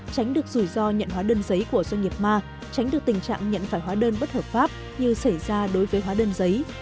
tránh được rủi ro nhận hóa đơn giấy của doanh nghiệp ma tránh được tình trạng nhận phải hóa đơn bất hợp pháp như xảy ra đối với hóa đơn giấy